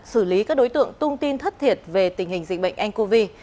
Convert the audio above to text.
xử lý các đối tượng tung tin thất thiệt về tình hình dịch bệnh ncov